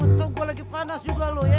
muntung gua lagi panas juga lu ya